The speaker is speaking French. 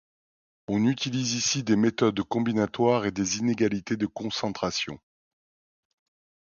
On utilise ici des méthodes combinatoires et des inégalités de concentration.